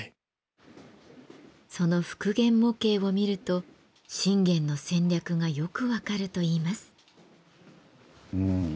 その復元模型を見ると信玄の戦略がよく分かるといいます。